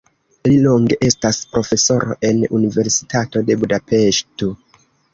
Li longe estas profesoro en Universitato de Budapeŝto.